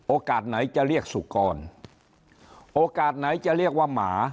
โอกาสไหนจะเรียกสุกรโอกาสไหนจะเรียกว่าหมา